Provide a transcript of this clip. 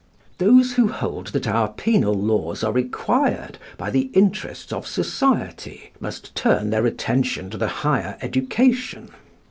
Those who hold that our penal laws are required by the interests of society must turn their attention to the higher education.